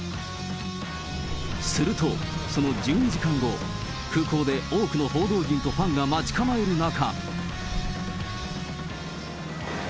すると、その１２時間後、空港で多くの報道陣とファンが待ち構える中。